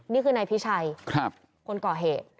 นี่คือนายพิชัยคนก่อเหตุ